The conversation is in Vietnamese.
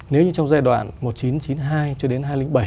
nếu như trong giai đoạn một nghìn chín trăm chín mươi hai cho đến hai nghìn bảy